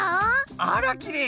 あらきれい。